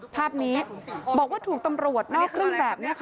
ภาพนี้บอกว่าถูกตำรวจนอกเครื่องแบบ